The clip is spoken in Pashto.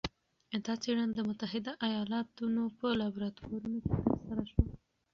دا څېړنه د متحده ایالتونو په لابراتورونو کې ترسره شوه.